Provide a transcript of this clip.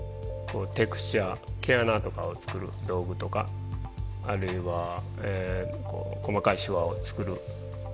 テクスチャー毛穴とかを作る道具とかあるいは細かいシワを作る道具です。